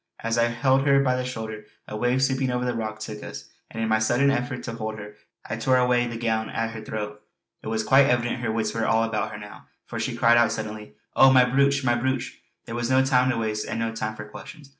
As I held her by the shoulder, a wave sweeping over the rock took us, and in my sudden effort to hold her I tore away the gown at her throat. It was quite evident her wits were all about her now for she cried out suddenly: "Oh, my brooch! my brooch!" There was no time to waste and no time for questions.